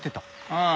ああ。